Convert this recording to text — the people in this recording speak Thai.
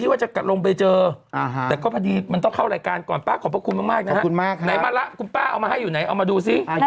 อ่าจะกลับมาให้ดู